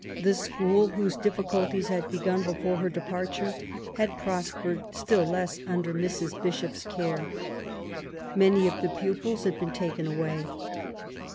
The school, whose difficulties had begun before her departure^ had prospered still less under Mrs. Bishop's care. Many of the pupils had been taken away.